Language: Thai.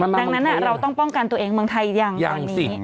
ดังนั้นเราต้องป้องกันตัวเองเมืองไทยยังตอนนี้